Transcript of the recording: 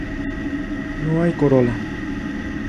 No hay corola.